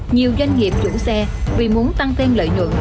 nhiều doanh nghiệp chủ xe vì muốn tăng thêm lợi nhuận